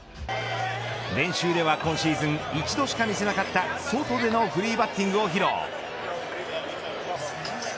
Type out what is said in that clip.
練習では今シーズン一度しか見せなかった外でのフリーバッティングを披露。